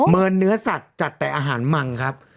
เนื้อสัตว์จัดแต่อาหารมังครับ